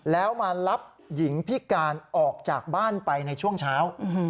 แล้วมารับหญิงพิการออกจากบ้านไปในช่วงเช้า